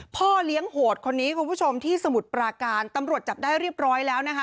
พ่อเลี้ยงโหดคนนี้คุณผู้ชมที่สมุทรปราการตำรวจจับได้เรียบร้อยแล้วนะคะ